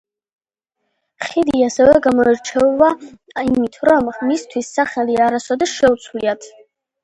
ხიდი ასევე გამოირჩევა იმით, რომ მისთვის სახელი არასოდეს შეუცვლიათ.